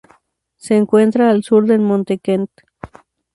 Se encuentra al sur del Monte Kent.